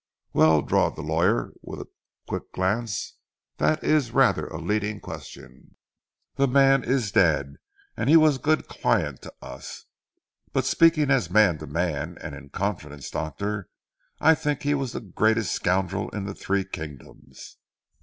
"Well," drawled the lawyer with a quick glance, "that is rather a leading question. The man is dead, and he was a good client to us. But speaking as man to man and in confidence doctor, I think he was the greatest scoundrel in the Three Kingdoms."